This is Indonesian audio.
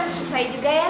mak fill mukanya